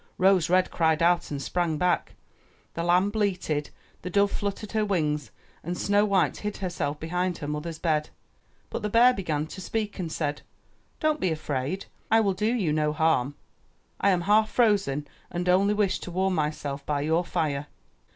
Rose red cried out and sprang back; the lamb bleated; the dove fluttered her wings, and Snow white hid herself behind her mother's bed. But the bear began to speak and said, "Don't be afraid. I will do you no harm. I am half frozen and only wish to warm myself by your fire."